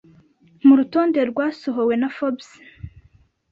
Mu rutonde rwasohowe na Forbes